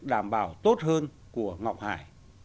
đảm bảo tốt hơn của ngọc hải